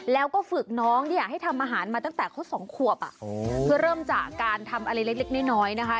แล้วก็ฝึกน้องเนี่ยให้ทำอาหารมาตั้งแต่เขาสองขวบเพื่อเริ่มจากการทำอะไรเล็กน้อยนะคะ